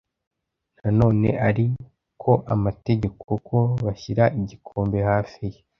Nanone ariko anategeka ko bashyira igikombe hafi ye